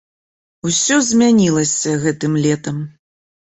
Усё змянілася гэтым летам.